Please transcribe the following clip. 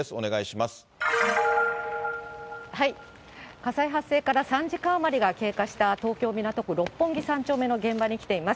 火災発生から３時間余りが経過した東京・港区六本木３丁目の現場に来ています。